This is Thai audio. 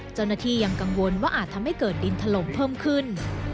เจ้าหน้าที่ยังกังวลว่าอาจทำให้เกิดดินถล่มเพิ่มขึ้น